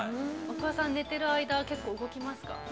お子さん寝てる間は結構動きますか？